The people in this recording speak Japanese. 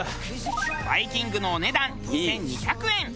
バイキングのお値段２２００円。